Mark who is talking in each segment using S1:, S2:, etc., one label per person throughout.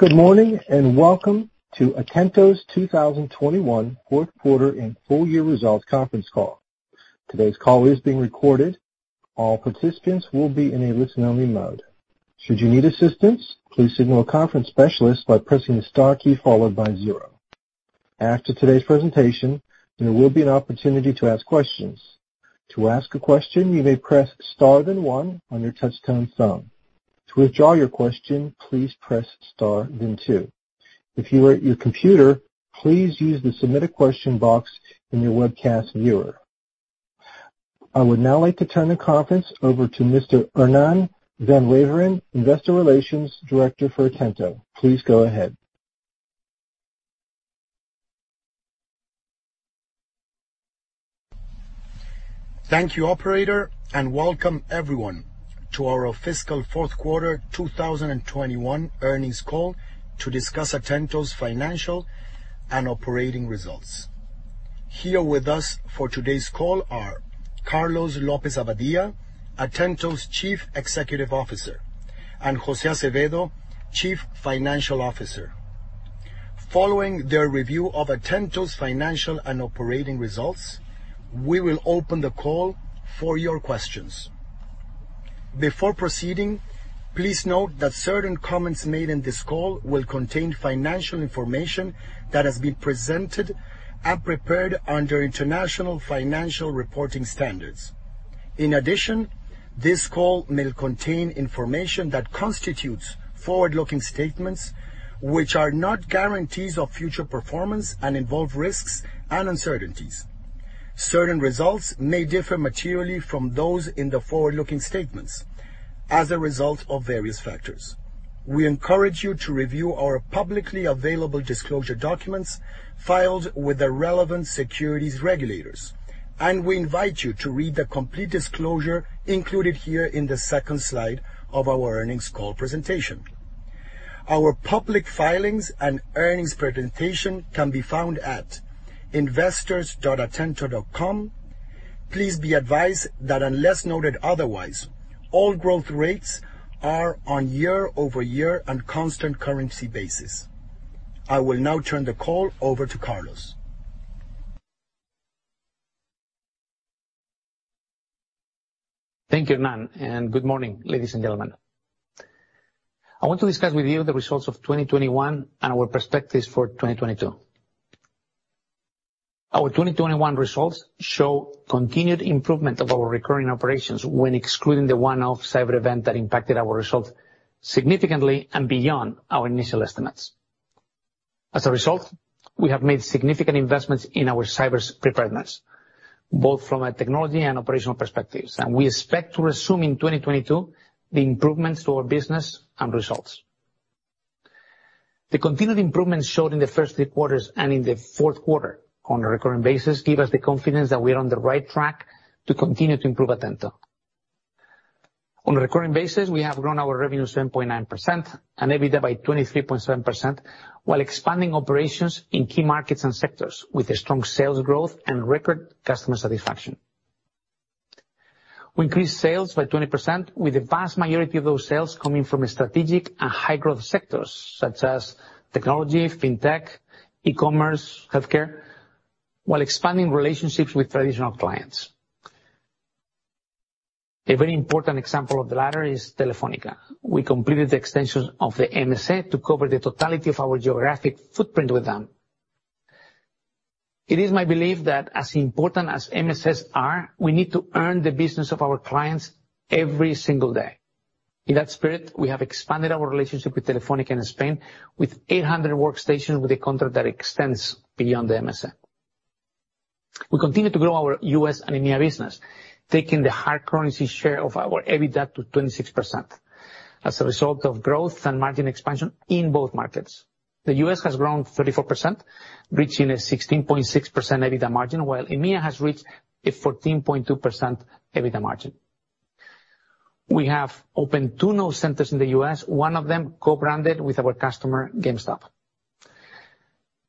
S1: Good morning, and welcome to Atento's 2021 fourth quarter and full year results conference call. Today's call is being recorded. All participants will be in a listen-only mode. Should you need assistance, please signal a conference specialist by pressing the star key followed by zero. After today's presentation, there will be an opportunity to ask questions. To ask a question, you may press star then one on your touchtone phone. To withdraw your question, please press star then two. If you are at your computer, please use the Submit a Question box in your webcast viewer. I would now like to turn the conference over to Mr. Hernan van Waveren, Investor Relations Director for Atento. Please go ahead.
S2: Thank you, operator, and welcome everyone to our fiscal fourth quarter 2021 earnings call to discuss Atento's financial and operating results. Here with us for today's call are Carlos López-Abadía, Atento's Chief Executive Officer, and José Azevedo, Chief Financial Officer. Following their review of Atento's financial and operating results, we will open the call for your questions. Before proceeding, please note that certain comments made in this call will contain financial information that has been presented and prepared under International Financial Reporting Standards. In addition, this call may contain information that constitutes forward-looking statements, which are not guarantees of future performance and involve risks and uncertainties. Certain results may differ materially from those in the forward-looking statements as a result of various factors. We encourage you to review our publicly available disclosure documents filed with the relevant securities regulators, and we invite you to read the complete disclosure included here in the second slide of our earnings call presentation. Our public filings and earnings presentation can be found at investors.atento.com. Please be advised that unless noted otherwise, all growth rates are on year-over-year and constant currency basis. I will now turn the call over to Carlos.
S3: Thank you, Hernan, and good morning, ladies and gentlemen. I want to discuss with you the results of 2021 and our perspectives for 2022. Our 2021 results show continued improvement of our recurring operations when excluding the one-off cyber event that impacted our results significantly and beyond our initial estimates. As a result, we have made significant investments in our cyber preparedness, both from a technology and operational perspectives. We expect to resume in 2022 the improvements to our business and results. The continued improvements showed in the first three quarters and in the fourth quarter on a recurring basis give us the confidence that we're on the right track to continue to improve Atento. On a recurring basis, we have grown our revenue 7.9% and EBITDA by 23.7%, while expanding operations in key markets and sectors with a strong sales growth and record customer satisfaction. We increased sales by 20% with the vast majority of those sales coming from strategic and high growth sectors such as technology, fintech, e-commerce, healthcare, while expanding relationships with traditional clients. A very important example of the latter is Telefónica. We completed the extension of the MSA to cover the totality of our geographic footprint with them. It is my belief that as important as MSA are, we need to earn the business of our clients every single day. In that spirit, we have expanded our relationship with Telefónica in Spain, with 800 workstations with a contract that extends beyond the MSA. We continue to grow our U.S. and EMEA business, taking the hard currency share of our EBITDA to 26%. As a result of growth and margin expansion in both markets, the U.S. has grown 34%, reaching a 16.6% EBITDA margin, while EMEA has reached a 14.2% EBITDA margin. We have opened two nearshore centers in the U.S., one of them co-branded with our customer, GameStop.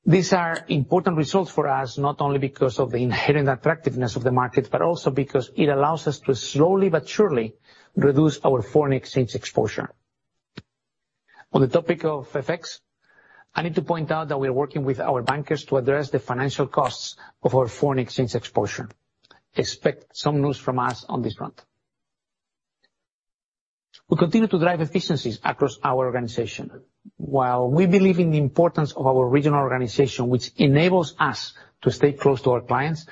S3: These are important results for us, not only because of the inherent attractiveness of the market, but also because it allows us to slowly but surely reduce our foreign exchange exposure. On the topic of FX, I need to point out that we are working with our bankers to address the financial costs of our foreign exchange exposure. Expect some news from us on this front. We continue to drive efficiencies across our organization. While we believe in the importance of our regional organization, which enables us to stay close to our clients,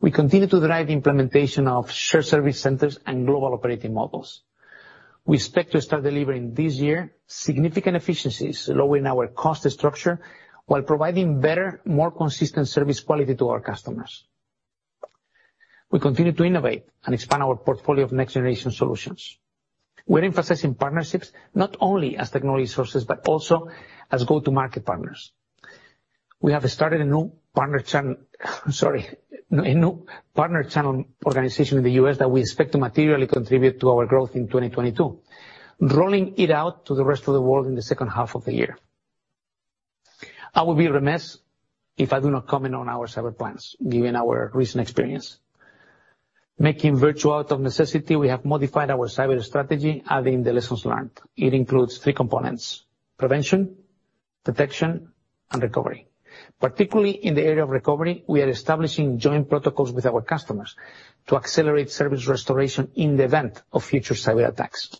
S3: we continue to drive the implementation of shared service centers and global operating models. We expect to start delivering this year significant efficiencies, lowering our cost structure while providing better, more consistent service quality to our customers. We continue to innovate and expand our portfolio of next generation solutions. We're emphasizing partnerships not only as technology sources, but also as go-to-market partners. We have started a new partner channel organization in the U.S. that we expect to materially contribute to our growth in 2022, rolling it out to the rest of the world in the second half of the year. I would be remiss if I do not comment on our cyber plans, given our recent experience. Making virtual out of necessity, we have modified our cyber strategy, adding the lessons learned. It includes three components, prevention, protection, and recovery. Particularly in the area of recovery, we are establishing joint protocols with our customers to accelerate service restoration in the event of future cyber attacks.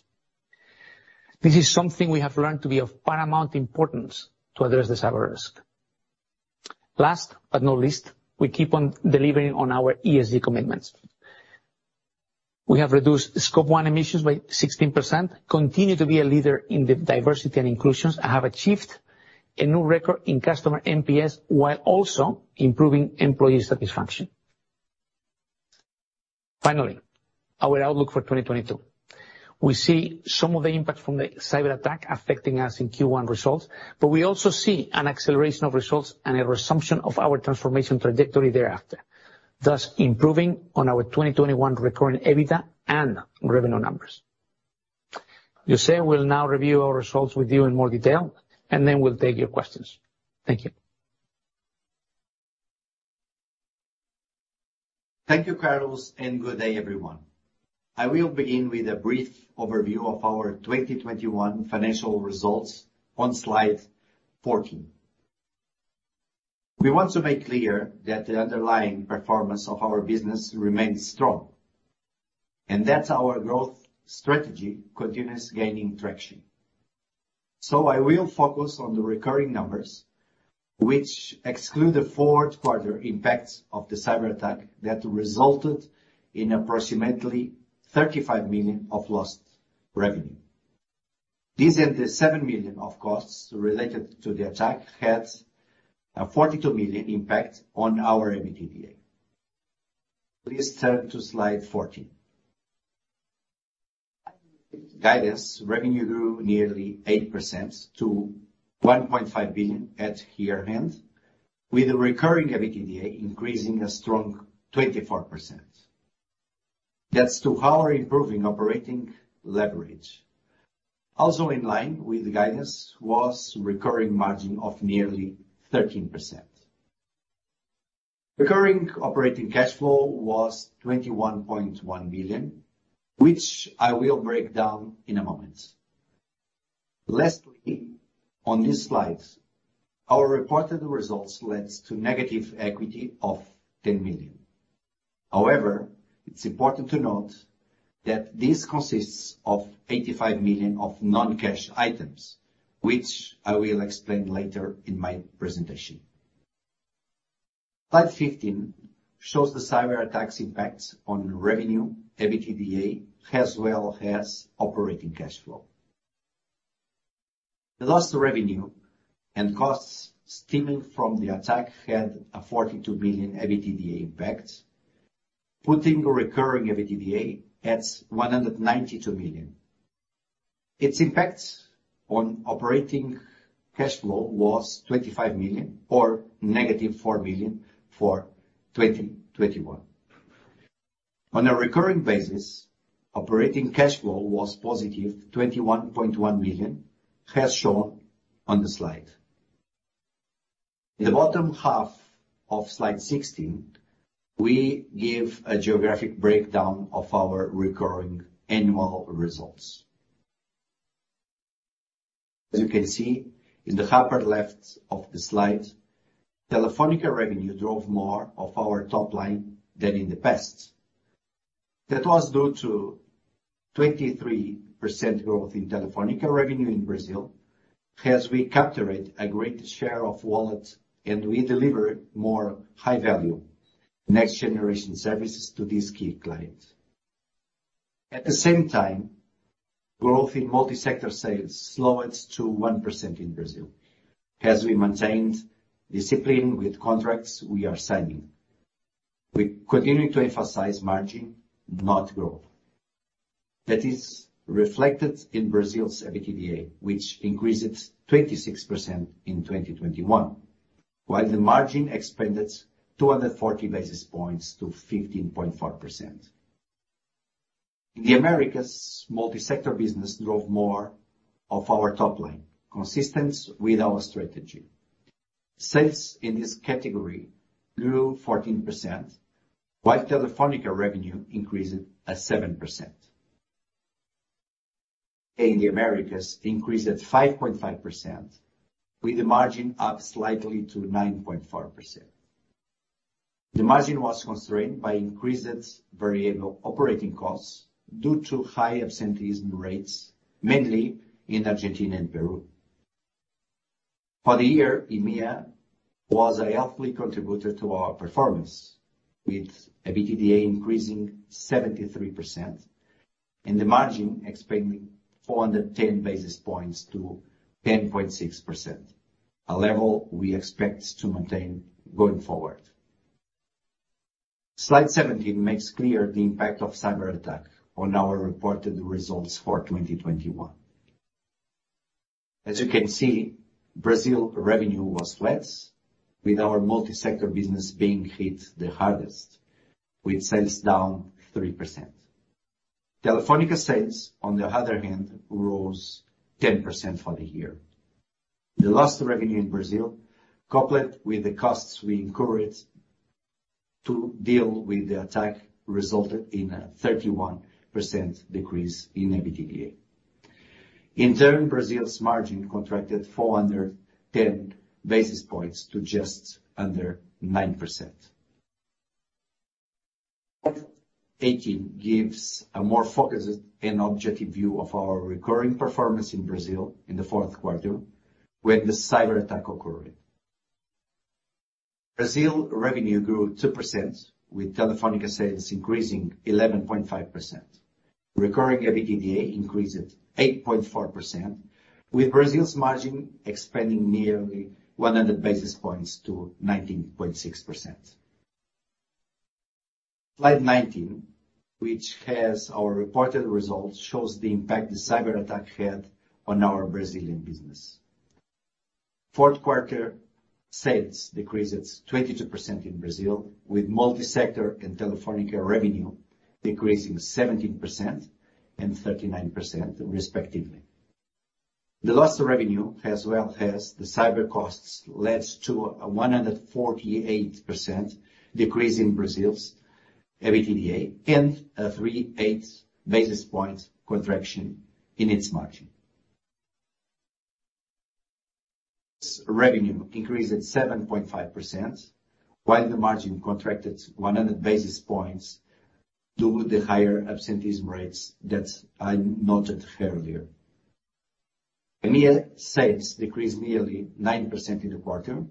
S3: This is something we have learned to be of paramount importance to address the cyber risk. Last but not least, we keep on delivering on our ESG commitments. We have reduced Scope 1 emissions by 16%, continue to be a leader in the diversity and inclusion, and have achieved a new record in customer NPS, while also improving employee satisfaction. Finally, our outlook for 2022. We see some of the impact from the cyber attack affecting us in Q1 results, but we also see an acceleration of results and a resumption of our transformation trajectory thereafter, thus improving on our 2021 recurring EBITDA and revenue numbers. José will now review our results with you in more detail, and then we'll take your questions. Thank you.
S4: Thank you, Carlos, and good day everyone. I will begin with a brief overview of our 2021 financial results on slide 14. We want to make clear that the underlying performance of our business remains strong, and that our growth strategy continues gaining traction. I will focus on the recurring numbers, which exclude the fourth quarter impacts of the cyber attack that resulted in approximately $35 million of lost revenue. This and the $7 million of costs related to the attack had a $42 million impact on our EBITDA. Please turn to slide 14. Our revenue grew nearly 8% to $1.5 billion at year-end, with recurring EBITDA increasing a strong 24%. That's due to our improving operating leverage. Also in line with the guidance was recurring margin of nearly 13%. Recurring operating cash flow was $21.1 billion, which I will break down in a moment. Lastly, on this slide, our reported results led to negative equity of $10 million. However, it's important to note that this consists of $85 million of non-cash items, which I will explain later in my presentation. Slide 15 shows the cyber attacks impacts on revenue, EBITDA, as well as operating cash flow. The lost revenue and costs stemming from the attack had a $42 million EBITDA impact, putting recurring EBITDA at $192 million. Its impact on operating cash flow was $25 million or -$4 million for 2021. On a recurring basis, operating cash flow was +$21.1 million, as shown on the slide. In the bottom half of Slide 16, we give a geographic breakdown of our recurring annual results. As you can see in the upper left of the slide, Telefónica revenue drove more of our top line than in the past. That was due to 23% growth in Telefónica revenue in Brazil, as we captured a great share of wallet and we delivered more high value next generation services to these key clients. At the same time, growth in multi-sector sales slowed to 1% in Brazil, as we maintained discipline with contracts we are signing. We're continuing to emphasize margin, not growth. That is reflected in Brazil's EBITDA, which increases 26% in 2021, while the margin expanded 240 basis points to 15.4%. In the Americas, multi-sector business drove more of our top line, consistent with our strategy. Sales in this category grew 14%, while Telefónica revenue increased at 7%. In the Americas increased at 5.5%, with the margin up slightly to 9.4%. The margin was constrained by increased variable operating costs due to high absenteeism rates, mainly in Argentina and Peru. For the year, EMEA was a healthy contributor to our performance, with EBITDA increasing 73% and the margin expanding 410 basis points to 10.6%, a level we expect to maintain going forward. Slide 17 makes clear the impact of cyber attack on our reported results for 2021. As you can see, Brazil revenue was less, with our multi-sector business being hit the hardest, with sales down 3%. Telefónica sales, on the other hand, rose 10% for the year. The lost revenue in Brazil, coupled with the costs we incurred to deal with the attack, resulted in a 31% decrease in EBITDA. Brazil's margin contracted 410 basis points to just under 9%. Slide 18 gives a more focused and objective view of our recurring performance in Brazil in the fourth quarter, where the cyber attack occurred. Brazil revenue grew 2%, with Telefónica sales increasing 11.5%. Recurring EBITDA increased 8.4%, with Brazil's margin expanding nearly 100 basis points to 19.6%. Slide 19, which has our reported results, shows the impact the cyber attack had on our Brazilian business. Fourth quarter sales decreased 22% in Brazil, with multi-sector and Telefónica revenue decreasing 17% and 39% respectively. The loss of revenue, as well as the cyber costs, led to a 148% decrease in Brazil's EBITDA and a 380 basis point contraction in its margin. Revenue increased 7.5%, while the margin contracted 100 basis points due to the higher absenteeism rates that I noted earlier. EMEA sales decreased nearly 9% in the quarter,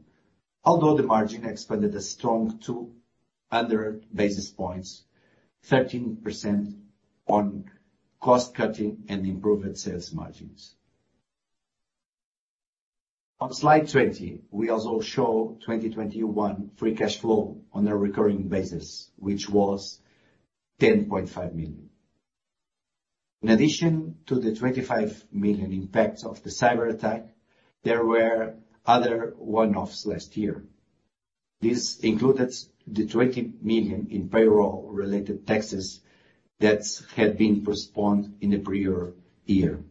S4: although the margin expanded a strong 200 basis points, 13% on cost-cutting and improved sales margins. On slide 20, we also show 2021 free cash flow on a recurring basis, which was $10.5 million. In addition to the $25 million impact of the cyber attack, there were other one-offs last year. This included the $20 million in payroll-related taxes that had been postponed in the prior year,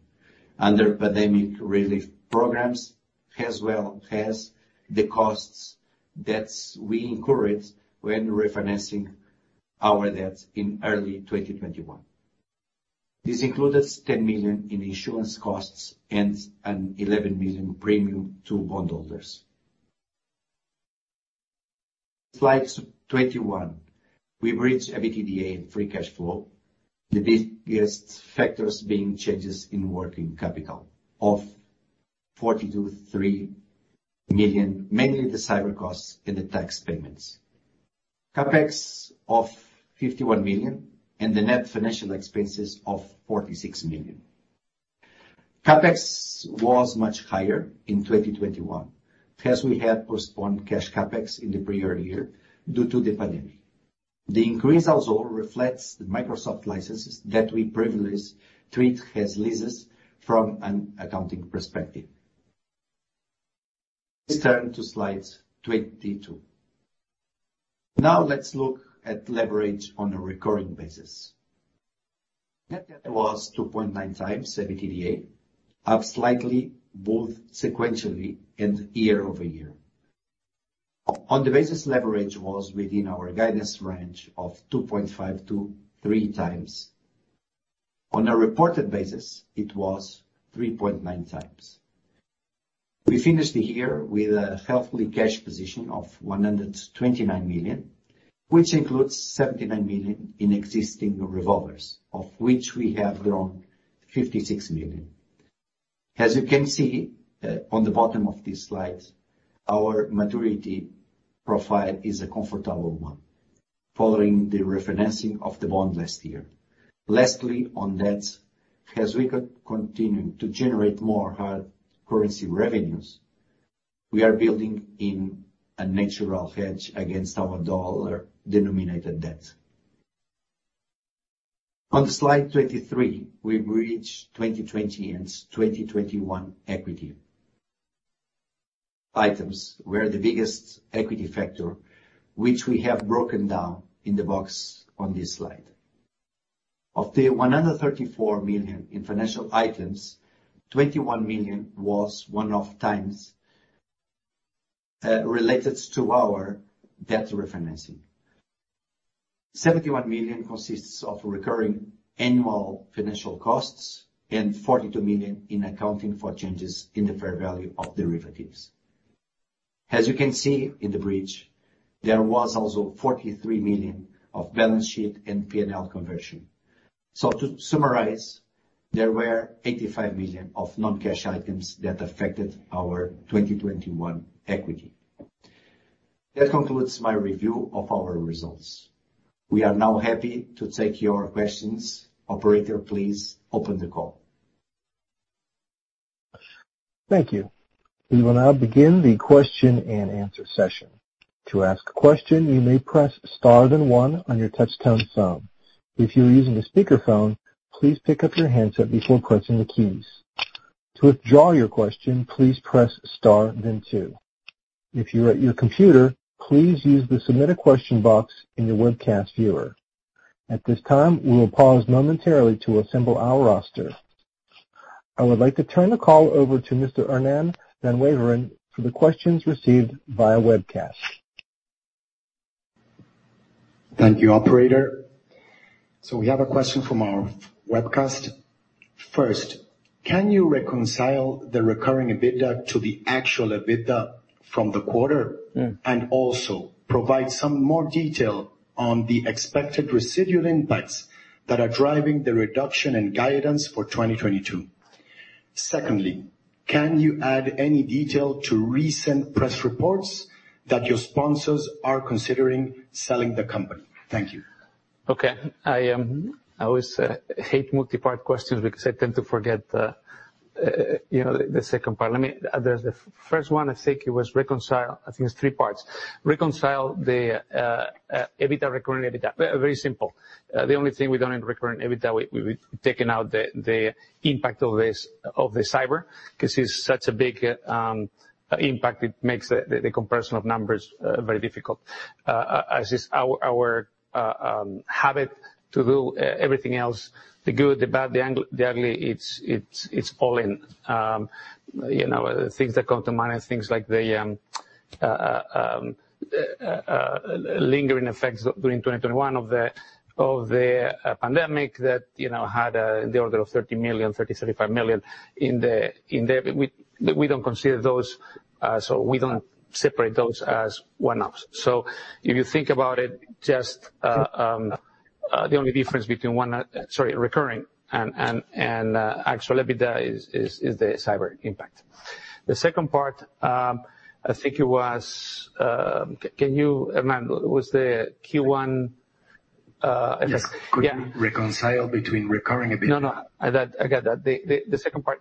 S4: other pandemic relief programs as well as the costs that we incurred when refinancing our debt in early 2021. This includes $10 million in insurance costs and an $11 million premium to bondholders. Slide 21, we bridge EBITDA free cash flow, the biggest factors being changes in working capital of $42.3 million, mainly the higher costs and the tax payments. CapEx of $51 million and the net financial expenses of $46 million. CapEx was much higher in 2021, as we had postponed cash CapEx in the prior year due to the pandemic. The increase also reflects the Microsoft licenses that we previously treat as leases from an accounting perspective. Let's turn to Slide 22. Now let's look at leverage on a recurring basis. That was 2.9x EBITDA, up slightly both sequentially and year-over-year. On the basis leverage was within our guidance range of 2.5x-3x. On a reported basis, it was 3.9x. We finished the year with a healthy cash position of $129 million, which includes $79 million in existing revolvers, of which we have drawn $56 million. As you can see on the bottom of this slide, our maturity profile is a comfortable one following the refinancing of the bond last year. Lastly, on debt, as we continue to generate more hard currency revenues, we are building in a natural hedge against our dollar-denominated debt. On slide 23, we bridge 2020 and 2021 equity. FX items were the biggest equity factor, which we have broken down in the box on this slide. Of the $134 million in financial items, $21 million was one-off items related to our debt refinancing. $71 million consists of recurring annual financial costs and $42 million in accounting for changes in the fair value of derivatives. As you can see in the bridge, there was also $43 million of balance sheet and P&L conversion. To summarize, there were $85 million of non-cash items that affected our 2021 equity. That concludes my review of our results. We are now happy to take your questions. Operator, please open the call.
S1: Thank you. We will now begin the question and answer session. To ask a question, you may press star then one on your touchtone phone. If you are using a speakerphone, please pick up your handset before pressing the keys. To withdraw your question, please press star then two. If you're at your computer, please use the Submit a Question box in your webcast viewer. At this time, we will pause momentarily to assemble our roster. I would like to turn the call over to Mr. Hernan van Waveren for the questions received via webcast.
S2: Thank you, operator. We have a question from our webcast. First, can you reconcile the recurring EBITDA to the actual EBITDA from the quarter?
S3: Mm.
S2: Also provide some more detail on the expected residual impacts that are driving the reduction in guidance for 2022. Secondly, can you add any detail to recent press reports that your sponsors are considering selling the company? Thank you.
S3: Okay. I always hate multi-part questions because I tend to forget, you know, the second part. Let me. The first one, I think it was reconcile. I think it's three parts. Reconcile the EBITDA, recurring EBITDA. Very simple. The only thing we don't have recurring EBITDA, we've taken out the impact of the cyber, 'cause it's such a big impact, it makes the comparison of numbers very difficult. As is our habit to do everything else, the good, the bad, the ugly, it's all in. You know, things that come to mind is things like the lingering effects during 2021 of the pandemic that you know had in the order of $30 million-$35 million in the. We don't consider those, so we don't separate those as one-offs. If you think about it, just the only difference between, sorry, recurring and actual EBITDA is the cyber impact. The second part, I think it was, can you... Hernan, was the Q1.
S2: Yes.
S3: Yeah.
S2: Could you reconcile between recurring EBITDA?
S3: No, no. I got that. The second part.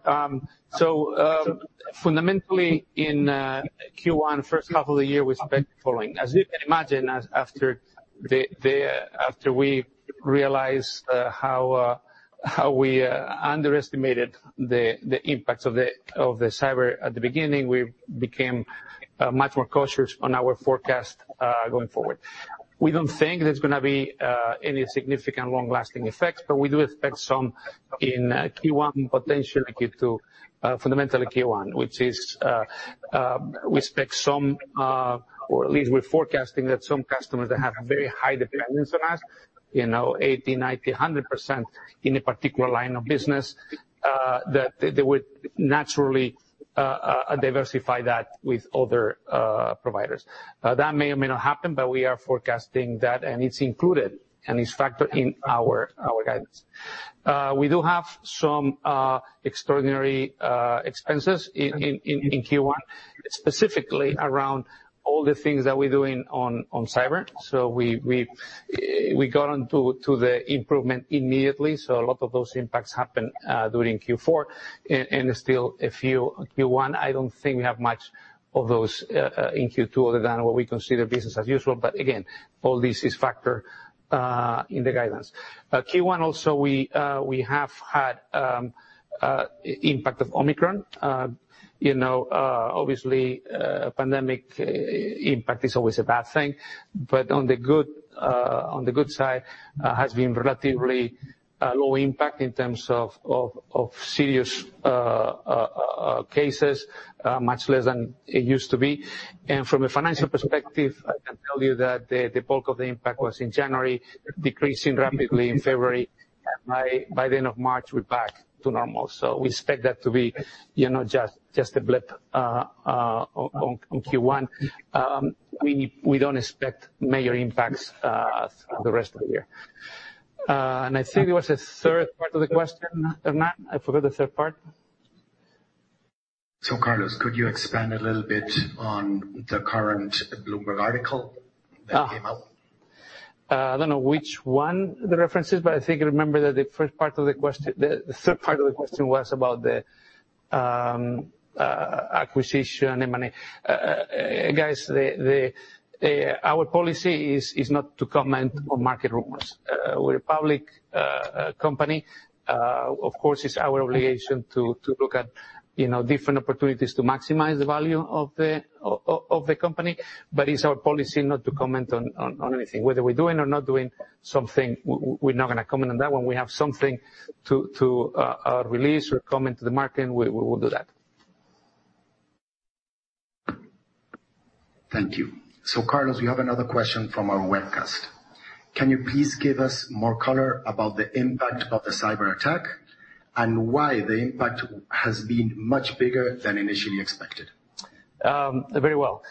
S3: Fundamentally in Q1, first half of the year, we expect the following. As you can imagine, after we realize how we underestimated the impacts of the cyber at the beginning, we became much more cautious on our forecast going forward. We don't think there's gonna be any significant long-lasting effects, but we do expect some in Q1, potentially Q2. Fundamentally Q1, which is, we expect some, or at least we're forecasting that some customers that have very high dependence on us, you know, 80%, 90%, 100% in a particular line of business, that they would naturally diversify that with other providers. That may or may not happen, but we are forecasting that and it's included and it's factored in our guidance. We do have some extraordinary expenses in Q1, specifically around all the things that we're doing on cyber. We got on to the improvement immediately, so a lot of those impacts happened during Q4. Still a few in Q1. I don't think we have much of those in Q2 other than what we consider business as usual. Again, all this is factored in the guidance. Q1 also we have had impact of Omicron. You know, obviously, pandemic impact is always a bad thing, but on the good side, has been relatively low impact in terms of serious cases, much less than it used to be. From a financial perspective, I can tell you that the bulk of the impact was in January, decreasing rapidly in February. By the end of March, we're back to normal. We expect that to be you know, just a blip on Q1. We don't expect major impacts the rest of the year. I think there was a third part of the question, Hernan. I forgot the third part.
S2: Carlos, could you expand a little bit on the current Bloomberg article that came out?
S3: I don't know which one the reference is, but I think I remember that the third part of the question was about the acquisition, M&A. Guys, our policy is not to comment on market rumors. We're a public company. Of course, it's our obligation to look at, you know, different opportunities to maximize the value of the company. It's our policy not to comment on anything. Whether we're doing or not doing something, we're not gonna comment on that. When we have something to release or comment to the market, we will do that.
S2: Thank you. Carlos, we have another question from our webcast. Can you please give us more color about the impact of the cyberattack and why the impact has been much bigger than initially expected?
S3: Very well.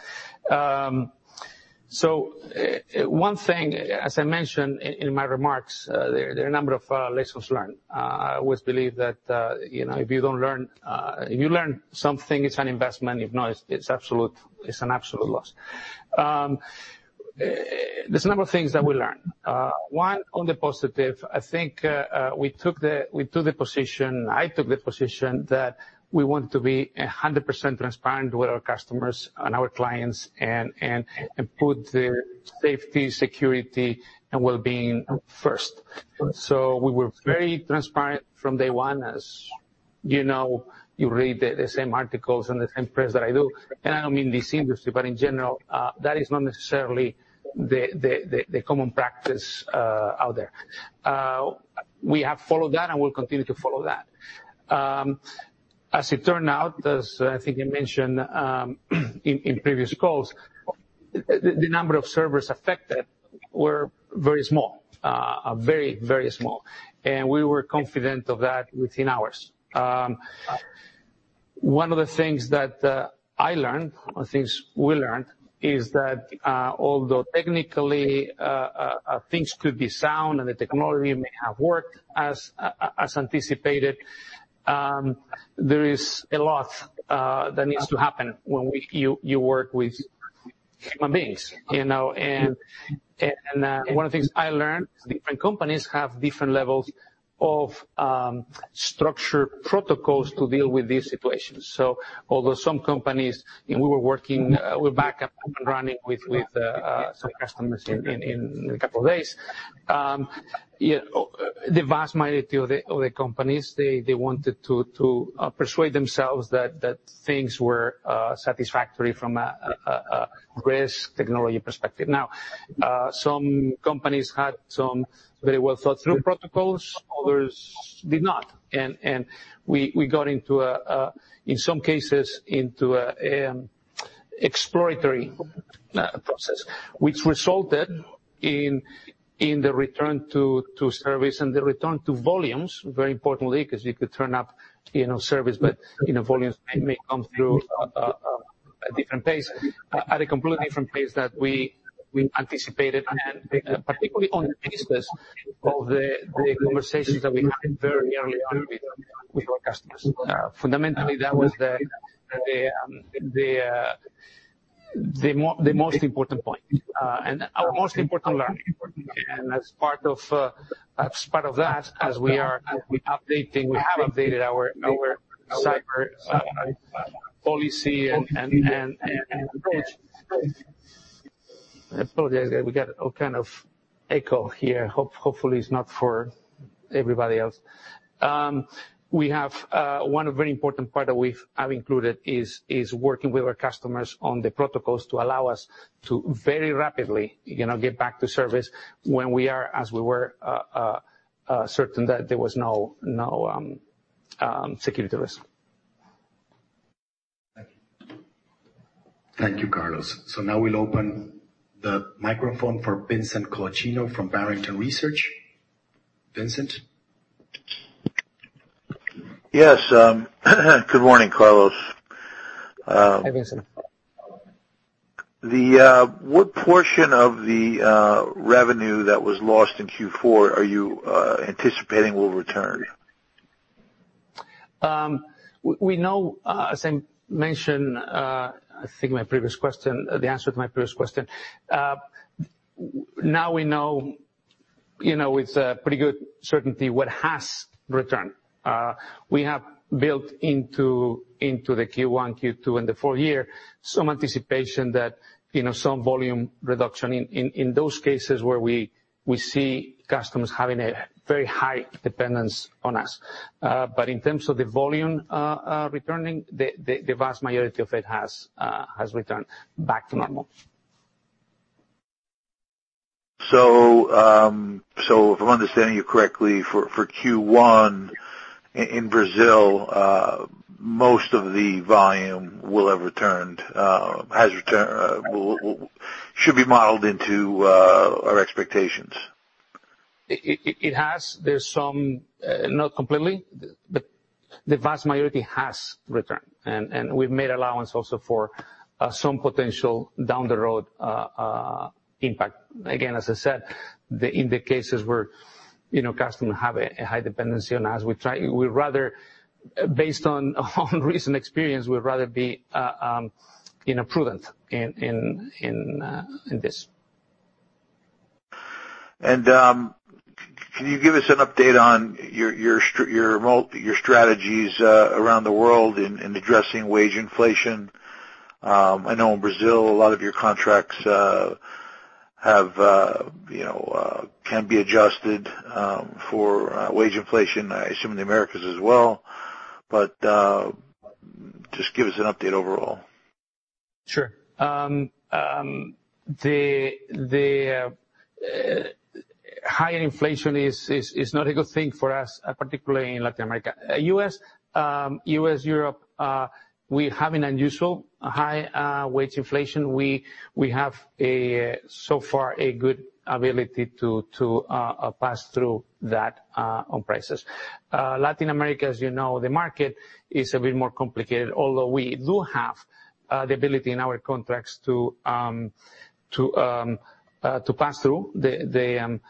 S3: One thing, as I mentioned in my remarks, there are a number of lessons learned. I always believe that, you know, if you don't learn, if you learn something, it's an investment. If not, it's an absolute loss. There's a number of things that we learned. One, on the positive, I think, I took the position that we want to be 100% transparent with our customers and our clients and put their safety, security and well-being first. We were very transparent from day one. You know, you read the same articles and the same press that I do, and I don't mean this industry, but in general, that is not necessarily the common practice out there. We have followed that and will continue to follow that. As it turned out, as I think you mentioned, in previous calls, the number of servers affected were very small. Very, very small. We were confident of that within hours. One of the things that I learned, or things we learned, is that, although technically, things could be sound and the technology may have worked as anticipated, there is a lot that needs to happen when you work with human beings, you know? One of the things I learned is different companies have different levels of structure protocols to deal with these situations. Although some companies, you know, we were working, we were back up and running with some customers in a couple of days, yeah, the vast majority of the companies, they wanted to persuade themselves that things were satisfactory from a risk technology perspective. Now, some companies had some very well-thought-through protocols, others did not. We got into, in some cases, an exploratory process, which resulted in the return to service and the return to volumes, very importantly, because you could turn up, you know, service, but, you know, volumes may come through a different pace, at a completely different pace that we anticipated, and particularly on the basis of the conversations that we had very early on with our customers. Fundamentally, that was the most important point and our most important learning. As part of that, as we are updating, we have updated our cyber policy and approach. I apologize. We got all kind of echo here. Hopefully it's not for everybody else. We have one very important part that we have included is working with our customers on the protocols to allow us to very rapidly, you know, get back to service when we are, as we were, certain that there was no security risk.
S2: Thank you, Carlos. Now we'll open the microphone for Vincent Colicchio from Barrington Research. Vincent?
S5: Yes. Good morning, Carlos.
S3: Hi, Vincent.
S5: What portion of the revenue that was lost in Q4 are you anticipating will return?
S3: We know, as I mentioned, I think my previous question, the answer to my previous question, now we know, you know, with pretty good certainty what has returned. We have built into the Q1, Q2, and the full year some anticipation that, you know, some volume reduction in those cases where we see customers having a very high dependence on us. In terms of the volume returning, the vast majority of it has returned back to normal.
S5: If I'm understanding you correctly, for Q1 in Brazil, most of the volume has returned and should be modeled into our expectations.
S3: It has. There's some, not completely, but the vast majority has returned. We've made allowance also for some potential down the road impact. Again, as I said, in the cases where, you know, customers have a high dependency on us, we'd rather, based on recent experience, be, you know, prudent in this.
S5: Can you give us an update on your strategies around the world in addressing wage inflation? I know in Brazil, a lot of your contracts have you know can be adjusted for wage inflation. I assume in the Americas as well. Just give us an update overall.
S3: Sure. The higher inflation is not a good thing for us, particularly in Latin America. U.S., Europe, we're having unusually high wage inflation. We have so far a good ability to pass through that on prices. Latin America, as you know, the market is a bit more complicated. Although we do have the ability in our contracts to pass through the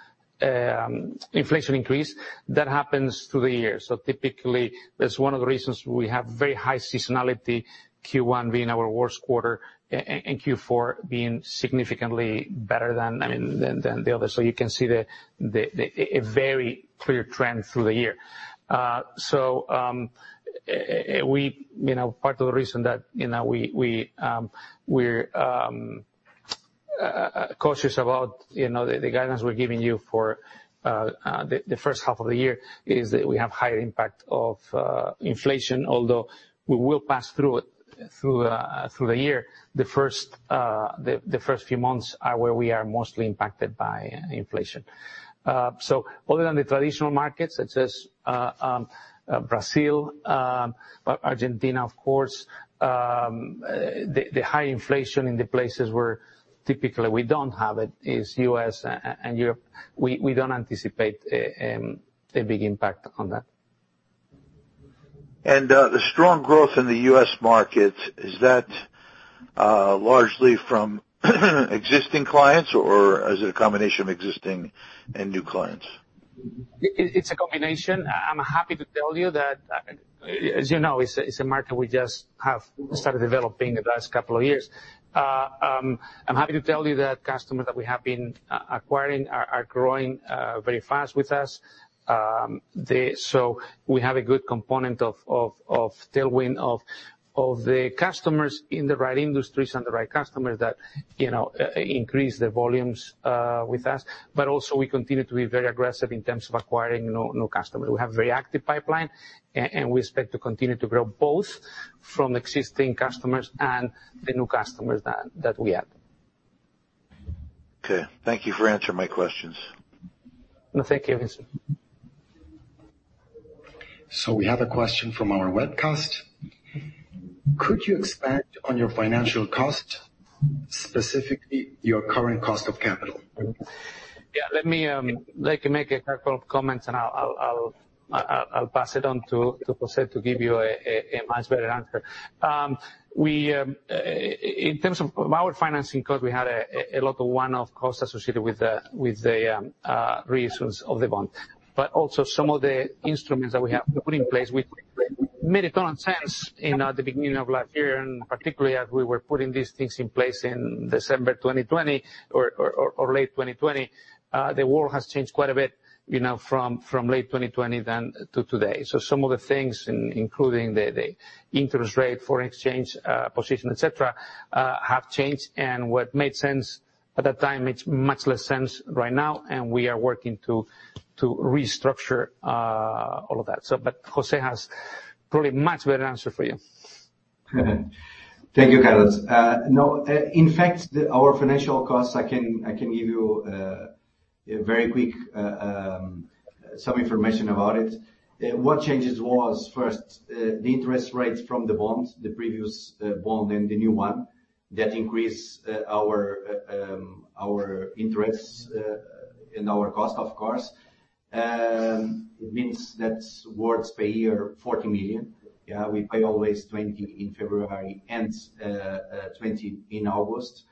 S3: inflation increase that happens through the year. Typically, that's one of the reasons we have very high seasonality, Q1 being our worst quarter and Q4 being significantly better than, I mean, the others. You can see a very clear trend through the year. Part of the reason that we are cautious about the guidance we're giving you for the first half of the year is that we have higher impact of inflation, although we will pass through it through the year. The first few months are where we are mostly impacted by inflation. Other than the traditional markets such as Brazil, Argentina, of course, the high inflation in the places where typically we don't have it is U.S. and Europe. We don't anticipate a big impact on that.
S5: The strong growth in the U.S. market, is that largely from existing clients or is it a combination of existing and new clients?
S3: It's a combination. I'm happy to tell you that, as you know, it's a market we just have started developing the last couple of years. I'm happy to tell you that customers that we have been acquiring are growing very fast with us. We have a good component of tailwind of the customers in the right industries and the right customers that, you know, increase their volumes with us. We continue to be very aggressive in terms of acquiring new customers. We have very active pipeline and we expect to continue to grow both from existing customers and the new customers that we have.
S5: Okay. Thank you for answering my questions.
S3: No, thank you, Vincent.
S2: We have a question from our webcast. Could you expand on your financial cost, specifically your current cost of capital?
S3: Yeah. Let me make a couple of comments, and I'll pass it on to José to give you a much better answer. In terms of our financing cost, we had a lot of one-off costs associated with the reissues of the bond. Also some of the instruments that we have to put in place, it made a ton of sense in the beginning of last year, and particularly as we were putting these things in place in December 2020 or late 2020. The world has changed quite a bit, you know, from late 2020 to today. Some of the things, including the interest rate, foreign exchange position, et cetera, have changed. What made sense at that time makes much less sense right now, and we are working to restructure all of that. But José has probably much better answer for you.
S4: Thank you, Carlos. No, in fact, our financial costs, I can give you a very quick some information about it. What changes was first the interest rates from the bond, the previous bond and the new one, that increased our interest and our cost, of course. It means that's worth per year $40 million. Yeah. We pay always $20 million in February and $20 million in August.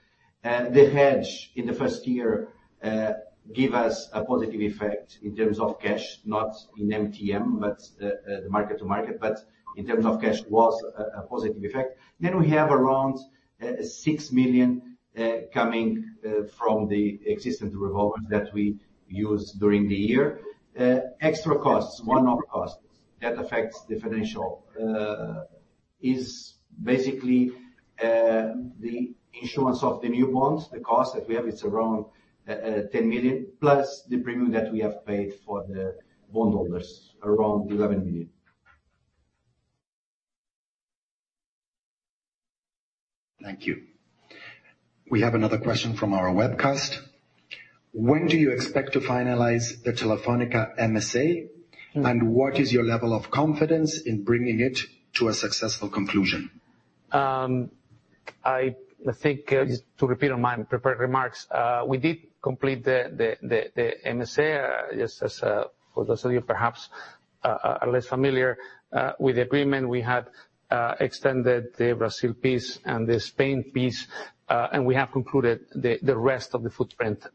S4: The hedge in the first year give us a positive effect in terms of cash, not in MTM, but the market to market, but in terms of cash was a positive effect. We have around $6 million coming from the existing revolvers that we use during the year. Extra costs, one-off costs that affects the financial, is basically the issuance of the new bonds, the cost that we have is around $10 million, plus the premium that we have paid for the bondholders, around $11 million.
S2: Thank you. We have another question from our webcast. When do you expect to finalize the Telefónica MSA?
S3: Mm-hmm.
S2: What is your level of confidence in bringing it to a successful conclusion?
S3: I think to repeat on my prepared remarks, we did complete the MSA, just as for those of you perhaps are less familiar with the agreement, we had extended the Brazil piece and the Spain piece, and we have concluded the rest of the footprint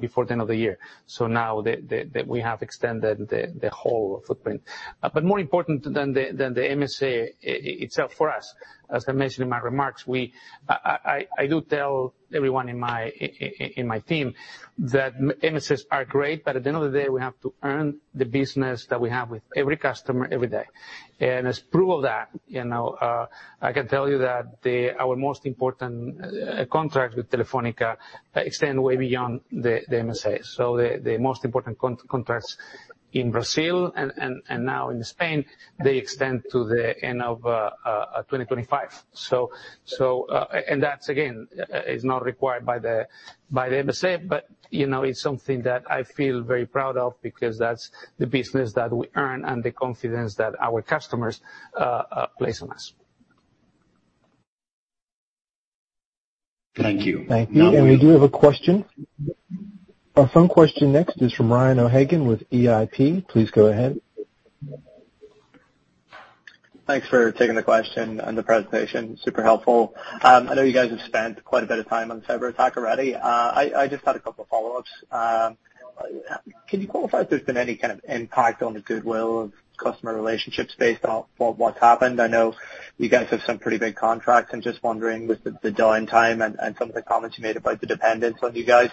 S3: before the end of the year. Now we have extended the whole footprint. More important than the MSA itself for us, as I mentioned in my remarks, I do tell everyone in my team that MSAs are great, but at the end of the day, we have to earn the business that we have with every customer every day. As proof of that, you know, I can tell you that our most important contract with Telefónica extend way beyond the MSA. The most important contracts in Brazil and now in Spain, they extend to the end of 2025. And that again is not required by the MSA, but you know, it's something that I feel very proud of because that's the business that we earn and the confidence that our customers place on us.
S2: Thank you.
S1: Thank you. We do have a question. A phone question next is from Ryan O'Hagan with EIP. Please go ahead.
S6: Thanks for taking the question and the presentation. Super helpful. I know you guys have spent quite a bit of time on the cyber attack already. I just had a couple of follow-ups. Can you qualify if there's been any kind of impact on the goodwill of customer relationships based on what's happened? I know you guys have some pretty big contracts. I'm just wondering with the downtime and some of the comments you made about the dependence on you guys.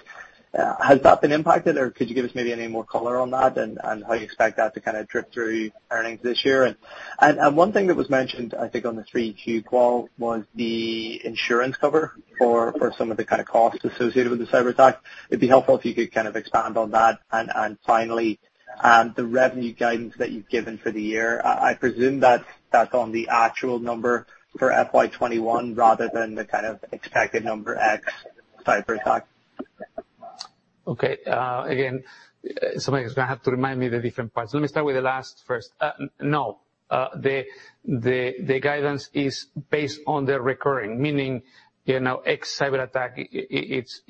S6: Has that been impacted or could you give us maybe any more color on that and how you expect that to kind of drip through earnings this year? One thing that was mentioned, I think on the 3Q call, was the insurance cover for some of the kind of costs associated with the cyber attack. It'd be helpful if you could kind of expand on that. Finally, the revenue guidance that you've given for the year, I presume that's on the actual number for FY 2021 rather than the kind of expected number, ex-cyber attack.
S3: Okay. Again, somebody's gonna have to remind me the different parts. Let me start with the last first. The guidance is based on the recurring, meaning, you know, ex-cyberattack it's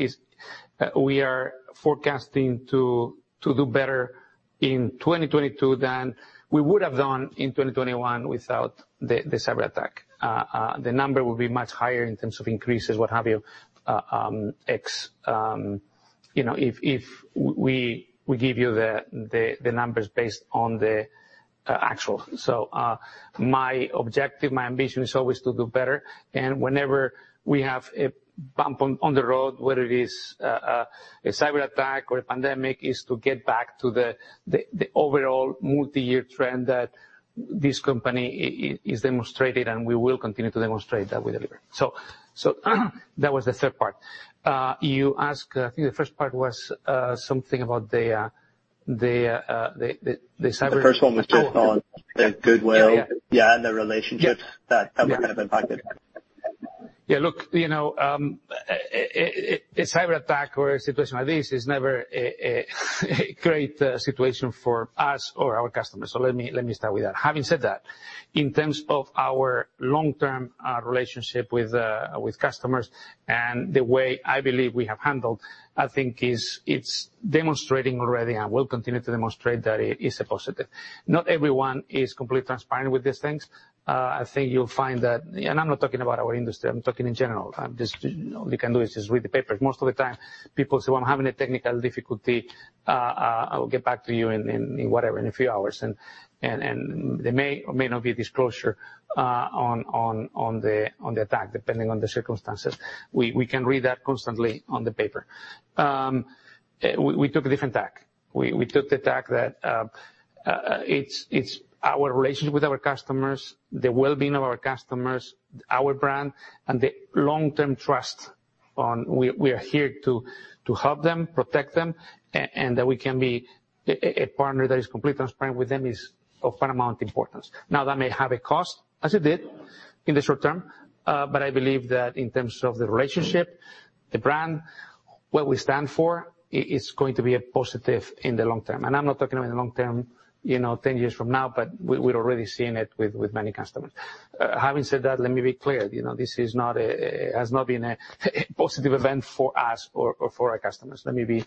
S3: we are forecasting to do better in 2022 than we would have done in 2021 without the cyberattack. The number will be much higher in terms of increases, what have you, ex- you know, if we give you the numbers based on the actual. My objective, my ambition is always to do better. Whenever we have a bump on the road, whether it is a cyberattack or a pandemic, is to get back to the overall multi-year trend that this company is demonstrating, and we will continue to demonstrate that we deliver. That was the third part. You asked, I think the first part was something about the cyber-
S6: The first one was just on the goodwill.
S3: Yeah.
S6: Yeah, the relationships that have been kind of impacted.
S3: Yeah. Look, you know, a cyberattack or a situation like this is never a great situation for us or our customers. Let me start with that. Having said that, in terms of our long-term relationship with customers and the way I believe we have handled, it's demonstrating already and will continue to demonstrate that it is a positive. Not everyone is completely transparent with these things. I think you'll find that, and I'm not talking about our industry, I'm talking in general. Just all you can do is just read the papers. Most of the time people say, "Well, I'm having a technical difficulty. I will get back to you in a few hours. There may or may not be disclosure on the attack, depending on the circumstances. We can read that constantly on the paper. We took a different tack. We took the tack that it's our relationship with our customers, the well-being of our customers, our brand, and the long-term trust on we are here to help them, protect them, and that we can be a partner that is completely transparent with them is of paramount importance. Now, that may have a cost, as it did in the short term, but I believe that in terms of the relationship, the brand, what we stand for, it's going to be a positive in the long term. I'm not talking about in the long term, you know, 10 years from now, but we're already seeing it with many customers. Having said that, let me be clear, you know, this has not been a positive event for us or for our customers. Let me be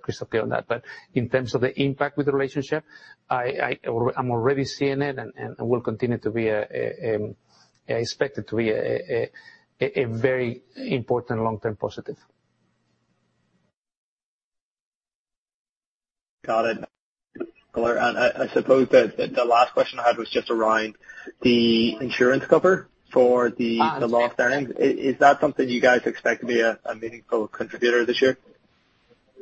S3: crystal clear on that. In terms of the impact with the relationship, I'm already seeing it and will continue to be a... I expect it to be a very important long-term positive.
S6: Got it. I suppose the last question I had was just around the insurance cover for the lost earnings. Is that something you guys expect to be a meaningful contributor this year?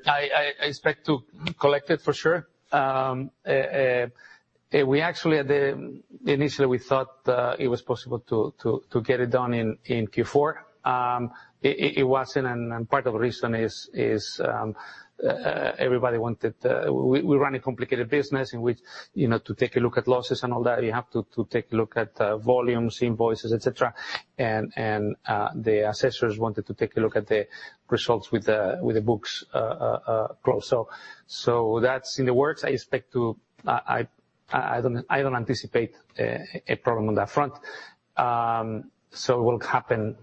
S3: I expect to collect it for sure. We actually, initially we thought it was possible to get it done in Q4. It wasn't, and part of the reason is everybody wanted. We run a complicated business in which, you know, to take a look at losses and all that, you have to take a look at volumes, invoices, etc. The assessors wanted to take a look at the results with the books closed. That's in the works. I expect to I don't anticipate a problem on that front. It will happen,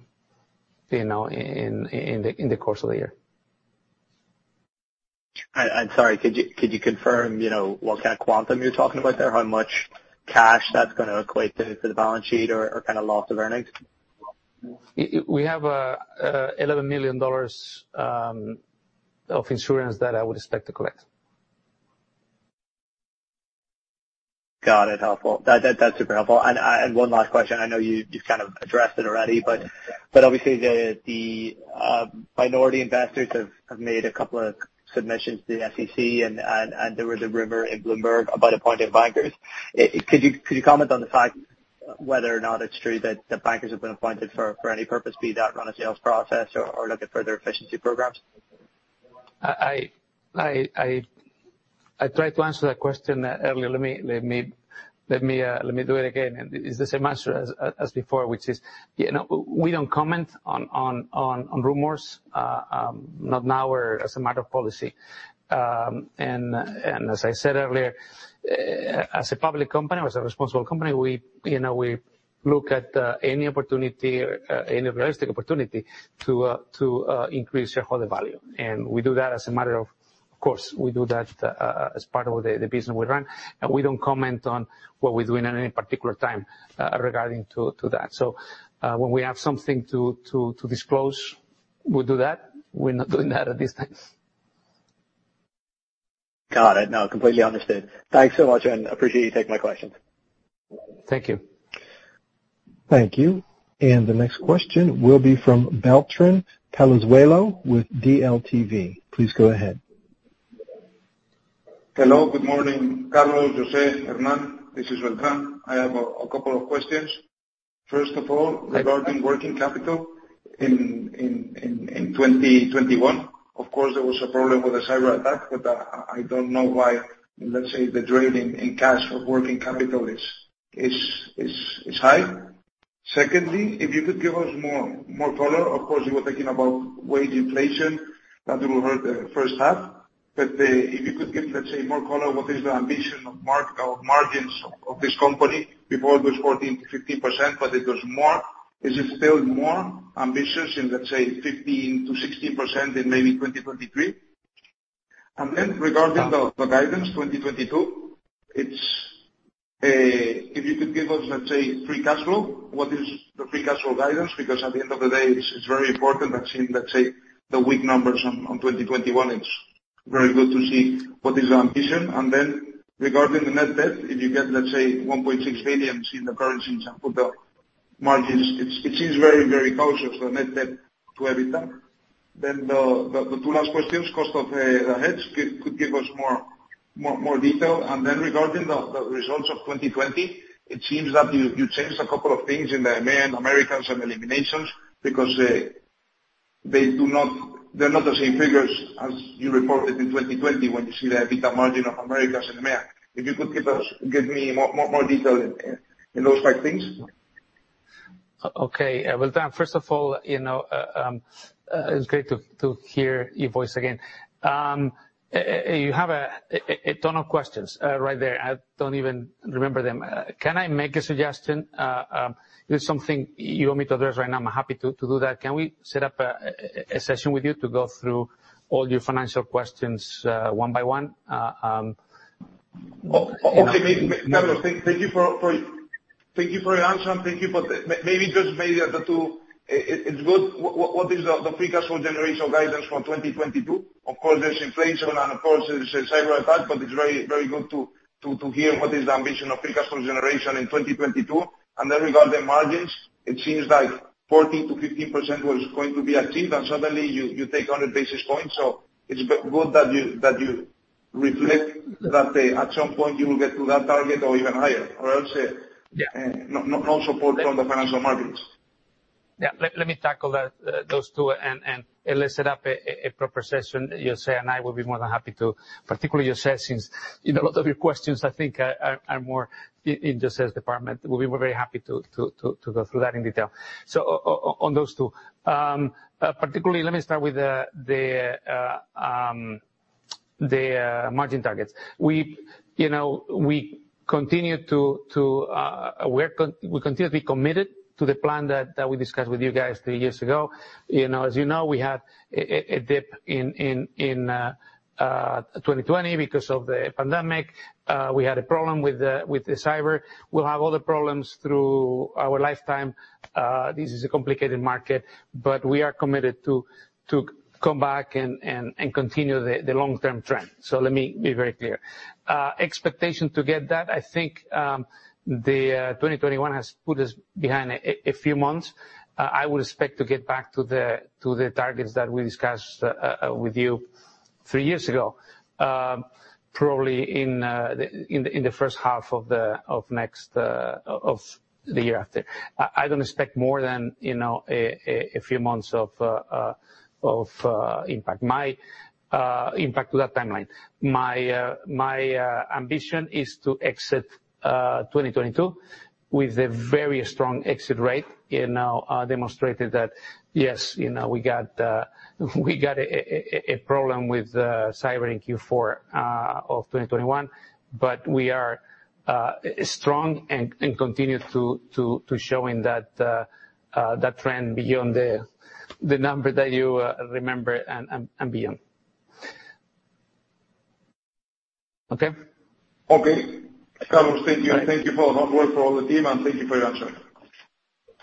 S3: you know, in the course of the year.
S6: Sorry, could you confirm, you know, what kind of quantum you're talking about there? How much cash that's gonna equate to for the balance sheet or kind of loss of earnings?
S3: We have $11 million of insurance that I would expect to collect.
S6: Got it. Helpful. That's super helpful. One last question. I know you've kind of addressed it already, but obviously the minority investors have made a couple of submissions to the SEC and there was a rumor in Bloomberg about appointing bankers. Could you comment on the fact whether or not it's true that the bankers have been appointed for any purpose, be that run a sales process or look at further efficiency programs?
S3: I tried to answer that question earlier. Let me do it again. It's the same answer as before, which is, you know, we don't comment on rumors, not now or as a matter of policy. As I said earlier, as a public company, or as a responsible company, we, you know, we look at any opportunity, any realistic opportunity to increase shareholder value. We do that as a matter of course. We do that as part of the business we run. We don't comment on what we're doing at any particular time, regarding that. When we have something to disclose, we'll do that. We're not doing that at this time.
S6: Got it. No, completely understood. Thanks so much, and appreciate you taking my questions.
S3: Thank you.
S2: Thank you. The next question will be from Beltrán Palazuelo with DLTV. Please go ahead.
S7: Hello. Good morning, Carlos, José, Hernan. This is Beltrán. I have a couple of questions. First of all.
S3: Hi, Beltrán.
S7: Regarding working capital in 2021, of course, there was a problem with the cyberattack, but I don't know why, let's say, the drain in cash of working capital is high. Secondly, if you could give us more color. Of course, you were talking about wage inflation that will hurt the first half. But if you could give, let's say, more color, what is the ambition of margins of this company? Before it was 14%-15%, but it was more. Is it still more ambitious in, let's say, 15%-16% in maybe 2023? And then regarding the guidance 2022, it's. If you could give us, let's say, free cash flow, what is the free cash flow guidance? Because at the end of the day, it's very important that in, let's say, the weak numbers on 2021, it's very good to see what is the ambition. Regarding the net debt, if you get, let's say, $1.6 billion in the currency margins, it seems very cautious, the net debt to EBITDA. The two last questions, cost of the hedge. Could give us more detail? Regarding the results of 2020, it seems that you changed a couple of things in the EMEA, Americas, and Eliminations because they're not the same figures as you reported in 2020 when you see the EBITDA margin of Americas and EMEA. If you could give me more detail in those five things.
S3: Okay. Beltrán, first of all, you know, it's great to hear your voice again. You have a ton of questions right there. I don't even remember them. Can I make a suggestion? If there's something you want me to address right now, I'm happy to do that. Can we set up a session with you to go through all your financial questions one by one?
S7: Okay. Carlos, thank you for your answer, and thank you for the... Maybe just the two... It's good. What is the free cash flow generation guidance for 2022? Of course, there's inflation and, of course, there's a cyberattack, but it's very good to hear what is the ambition of free cash flow generation in 2022. Regarding margins, it seems like 14%-15% was going to be achieved, and suddenly you take 100 basis points. It's good that you reflect that at some point you will get to that target or even higher, or else.
S3: Yeah.
S7: No support from the financial margins.
S3: Yeah. Let me tackle that, those two, and let's set up a proper session. José and I will be more than happy to. Particularly José, since you know, a lot of your questions, I think, are more in José's department. We'll be very happy to go through that in detail. On those two, particularly let me start with the margin targets. You know, we continue to be committed to the plan that we discussed with you guys three years ago. You know, as you know, we had a dip in 2020 because of the pandemic. We had a problem with the cyber. We'll have other problems through our lifetime. This is a complicated market. We are committed to come back and continue the long-term trend. Let me be very clear. The expectation to get that, I think, 2021 has put us behind a few months. I would expect to get back to the targets that we discussed with you three years ago, probably in the first half of next year. I don't expect more than, you know, a few months of impact to that timeline. My ambition is to exit 2022 with a very strong exit rate and demonstrate that, yes, you know, we got a problem with cyber in Q4 of 2021, but we are strong and continue to showing that trend beyond the number that you remember and beyond. Okay?
S7: Okay. Carlos, thank you.
S3: All right.
S7: Thank you for the hard work for all the team, and thank you for your answer.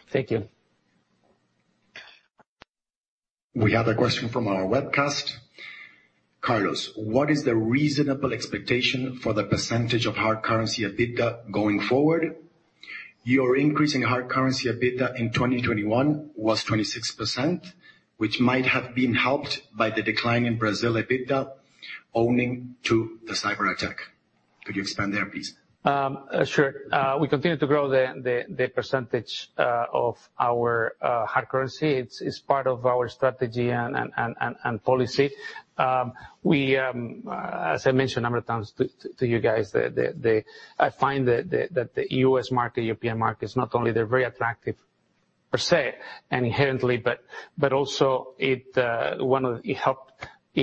S3: Thank you.
S2: We have a question from our webcast. Carlos, what is the reasonable expectation for the percentage of hard currency EBITDA going forward? Your increase in hard currency EBITDA in 2021 was 26%, which might have been helped by the decline in Brazil EBITDA owing to the cyberattack. Could you expand there, please?
S3: Sure. We continue to grow the percentage of our hard currency. It's part of our strategy and policy. We, as I mentioned a number of times to you guys, the I find that the U.S. market, European markets, not only they're very attractive per se and inherently, but also it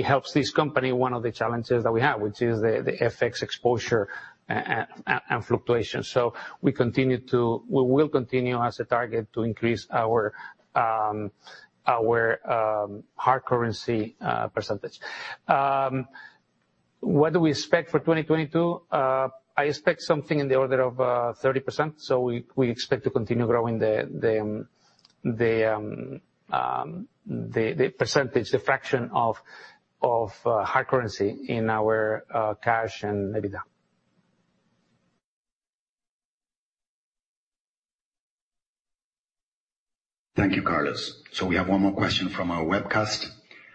S3: helps this company, one of the challenges that we have, which is the FX exposure and fluctuation. We will continue as a target to increase our hard currency percentage. What do we expect for 2022? I expect something in the order of 30%. We expect to continue growing the percentage, the fraction of hard currency in our cash and EBITDA.
S2: Thank you, Carlos. We have one more question from our webcast.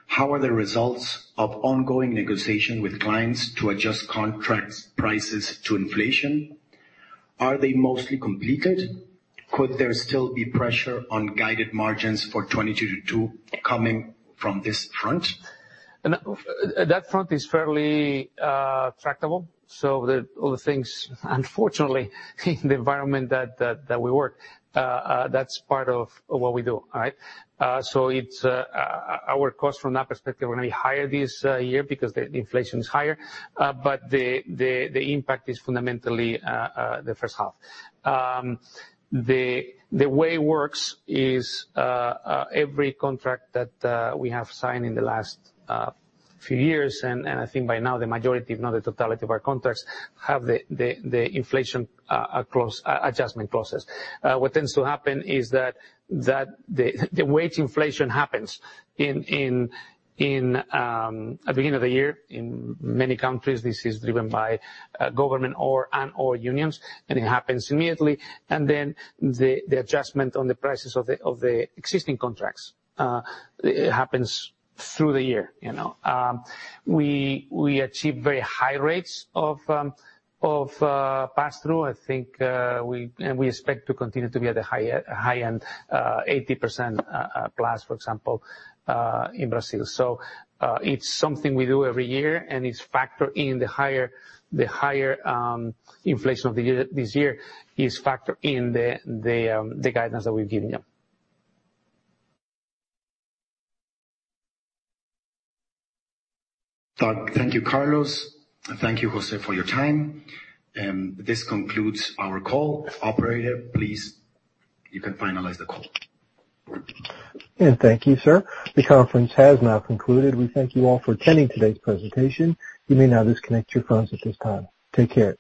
S2: How are the results of ongoing negotiation with clients to adjust contract prices to inflation? Are they mostly completed? Could there still be pressure on guided margins for 2022 to Q2 coming from this front?
S3: That front is fairly tractable. All the things, unfortunately, in the environment that we work, that's part of what we do, all right? It's our costs from that perspective are gonna be higher this year because the inflation is higher. The impact is fundamentally the first half. The way it works is every contract that we have signed in the last few years, and I think by now the majority, if not the totality of our contracts have the inflation across adjustment process. What tends to happen is that the wage inflation happens in at the beginning of the year. In many countries this is driven by government or and/or unions, and it happens immediately. Then the adjustment on the prices of the existing contracts happens through the year, you know. We achieve very high rates of pass-through. I think and we expect to continue to be at the high end 80%+, for example, in Brazil. It's something we do every year, and it's factored in the higher inflation of the year. This year is factored in the guidance that we've given you.
S2: Thank you, Carlos. Thank you, José, for your time. This concludes our call. Operator, please, you can finalize the call.
S1: Thank you, sir. The conference has now concluded. We thank you all for attending today's presentation. You may now disconnect your phones at this time. Take care.